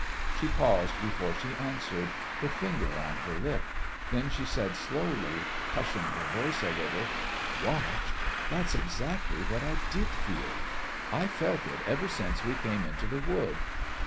She paused before she answered, her finger on her lip. Then she said slowly, hushing her voice a little: "Watched! That's exactly what I did feel. I've felt it ever since we came into the wood."